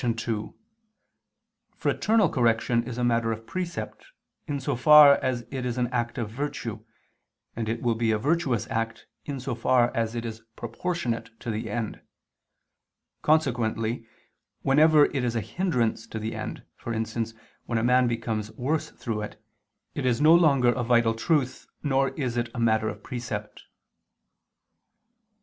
2: Fraternal correction is a matter of precept, in so far as it is an act of virtue, and it will be a virtuous act in so far as it is proportionate to the end. Consequently whenever it is a hindrance to the end, for instance when a man becomes worse through it, it is longer a vital truth, nor is it a matter of precept.